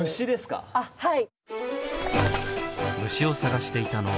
あっはい。